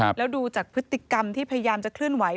แล้วดูจากพฤติกรรมที่พยายามจะเคลื่อนไหว